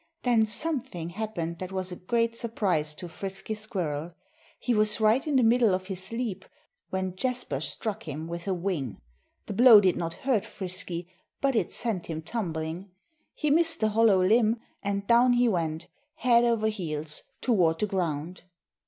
Then something happened that was a great surprise to Frisky Squirrel. He was right in the middle of his leap when Jasper struck him with a wing. The blow did not hurt Frisky. But it sent him tumbling. He missed the hollow limb, and down he went, head over heels, toward the ground.